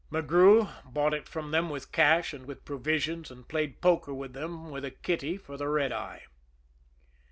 McGrew bought it from them with cash and with provisions, and played poker with them with a kitty for the "red eye."